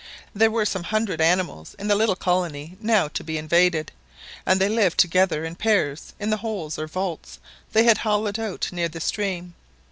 There were some hundred animals in the little colony now to be invaded, and they lived together in pairs in the "holes" or "vaults" they had hollowed out near the stream.